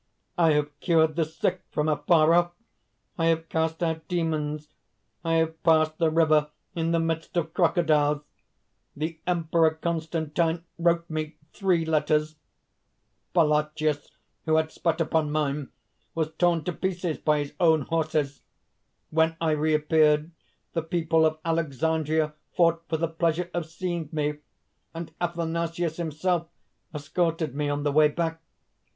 I have cured the sick from afar off; I have cast out demons; I have passed the river in the midst of crocodiles; the Emperor Constantine wrote me throe letters; Balacius, who had spat upon mine, was torn to pieces by his own horses; when I reappeared the people of Alexandria fought for the pleasure of seeing me, and Athanasius himself escorted me on the way back.